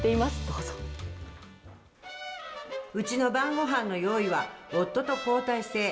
うちの晩ごはんの用意は夫と交代制。